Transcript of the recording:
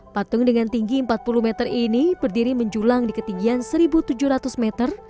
patung dengan tinggi empat puluh meter ini berdiri menjulang di ketinggian satu tujuh ratus meter